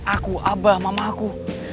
aku abah mamah aku